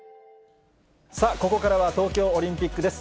さあ、ここからは東京オリンピックです。